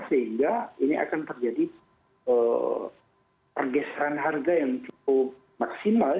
sehingga ini akan terjadi pergeseran harga yang cukup maksimal